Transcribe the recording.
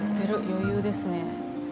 余裕ですね。